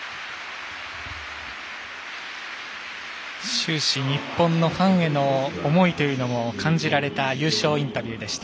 終始、日本のファンへの思いというのも感じられた優勝インタビューでした。